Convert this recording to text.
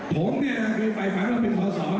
ผมเนี่ยก็ไปฝันว่าเป็นศาล